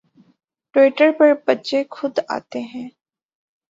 Twitter پر بچے خود آتے ہیں